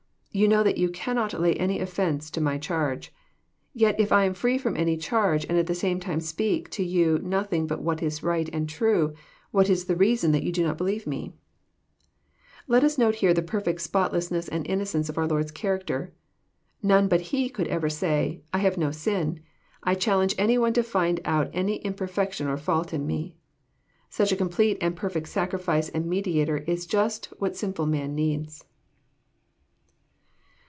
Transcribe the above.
You know that you can not lay any offence to My charge. Tet if I am free from any charge, and at the same time speak to you nothing but what is right and true, what is the reason that ye do not believe Me ?" liCtusnote here the perfect spotlessness and innocence of onr Lord's character. None but He could ever say, "I have no sin. I challenge any one to find out any imperfection or fault in Me." Such a complete and perfect Sacrifice and Mediator is Just what sinful man needs.